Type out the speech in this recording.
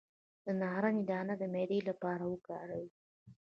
د نارنج دانه د معدې لپاره وکاروئ